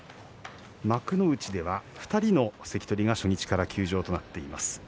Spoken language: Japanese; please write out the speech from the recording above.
幕内では２人の関取が初日から休場となっています。